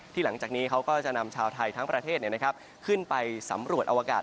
หลังจากนี้เขาก็จะนำชาวไทยทั้งประเทศขึ้นไปสำรวจอวกาศ